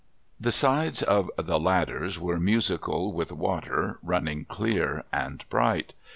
The sides of the ladders were musical with water, running clear and bright.